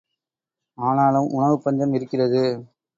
ஆனாலும் உணவுப் பஞ்சம் இருக்கிறது!